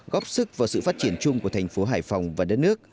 góp sức vào sự phát triển chung của thành phố hải phòng và đất nước